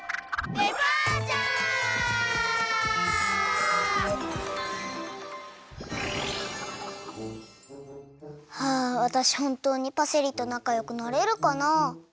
デパーチャー！はあわたしほんとうにパセリとなかよくなれるかな？